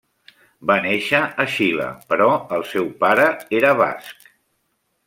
Va néixer a Xile però el seu pare era basc.